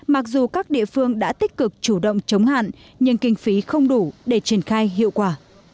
mặc dù các địa phương đã tích cực chủ động chống hạn nhưng kinh phí không đủ để triển khai hiệu quả